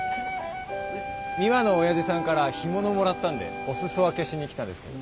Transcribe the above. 美和の親父さんから干物もらったんでお裾分けしに来たんですけど。